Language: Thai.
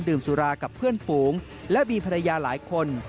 สุรากับเพื่อนฝูงและมีภรรยาหลายคน